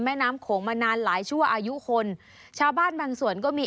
แม่น้ำโขงมานานหลายชั่วอายุคนชาวบ้านบางส่วนก็มี